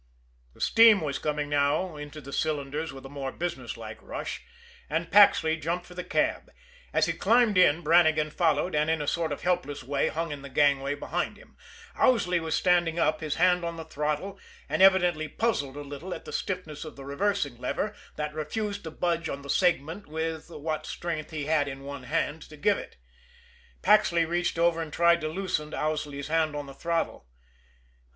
The steam was coming now into the cylinders with a more businesslike rush and Paxley jumped for the cab. As he climbed in, Brannigan followed, and in a sort of helpless way hung in the gangway behind him. Owsley was standing up, his hand on the throttle, and evidently puzzled a little at the stiffness of the reversing lever, that refused to budge on the segment with what strength he had in one hand to give to it. Paxley reached over and tried to loosen Owsley's hand on the throttle.